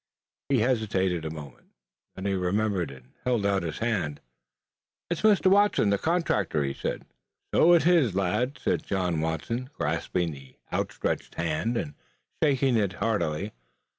He hesitated a moment, then he remembered and held out his hand. "It's Mr. Watson, the contractor," he said. "So it is, lad," said John Watson, grasping the outstretched hand and shaking it heartily.